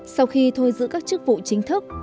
sau khi thôi giữ các chức vụ chính thức